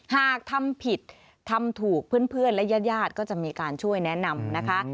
หากทำผิดทำถูกเพื่อนและญาติก็จะมีการช่วยแนะนำนะคะ